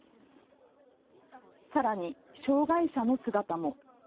さらに、障害者の姿も。